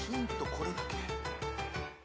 これだけ？